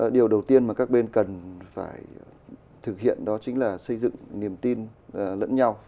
điều đầu tiên mà các bên cần phải thực hiện đó chính là xây dựng niềm tin lẫn nhau